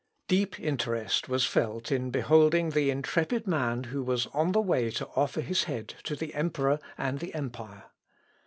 Deep interest was felt in beholding the intrepid man who was on the way to offer his head to the emperor and the empire.